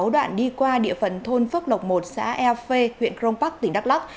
đoạn đi qua địa phần thôn phước lộc một xã e phê huyện krong park tỉnh đắk lắk